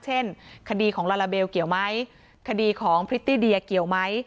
เช่นคดีของลาลาเบลเกี่ยวไหมคดีของพริตตี้เดียเกี่ยวไหม